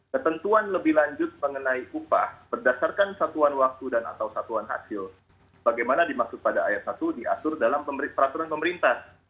ketentuan lebih lanjut mengenai upah berdasarkan satuan waktu dan atau satuan hasil bagaimana dimaksud pada ayat satu diatur dalam peraturan pemerintah